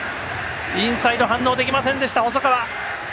インサイド反応できませんでした細川。